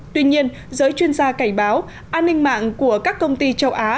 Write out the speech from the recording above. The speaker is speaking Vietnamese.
tuy nhiên giới chuyên gia cảnh báo an ninh mạng của các công ty châu á